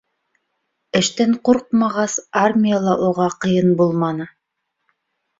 Эштән ҡурҡмағас, армияла уға ҡыйын булманы.